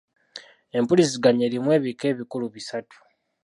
Empuliziganya erimu ebika ebikulu bisatu.